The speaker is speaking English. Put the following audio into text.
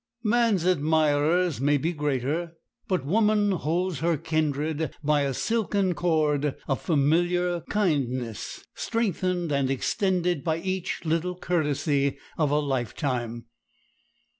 Man's admirers may be greater, but woman holds her kindred by a silken cord of familiar kindness, strengthened and extended by each little courtesy of a life time.